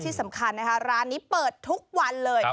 ที่สำคัญนะคะร้านนี้เปิดทุกวันเลย